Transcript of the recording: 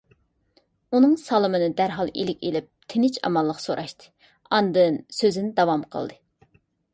ئۇنىڭ سالىمىنى دەرھال ئىلىك ئېلىپ، تىنچ - ئامانلىق سوراشتى، ئاندىن سۆزىنى داۋام قىلدى: